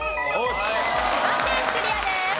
千葉県クリアです。